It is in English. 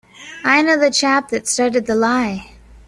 I know the chap that started the lie.